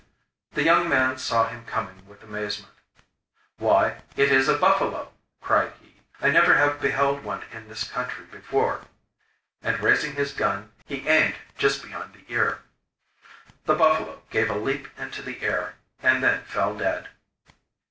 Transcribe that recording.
The young man saw him coming with amazement. 'Why, it is a buffalo!' cried he; 'I never have beheld one in this country before!' And raising his gun, he aimed just behind the ear. The buffalo gave a leap into the air, and then fell dead.